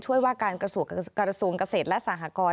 ช่วยว่าการกระสุกกระสวงกเศษและสหกร